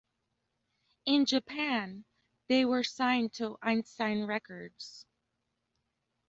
In Japan, they were signed to Einstein Records.